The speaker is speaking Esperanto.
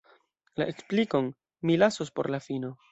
La eksplikon… mi lasos por la fino.